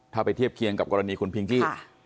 ถ้าไปเทียบเคียงกับกรณีคุณพิงกี้